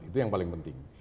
itu yang paling penting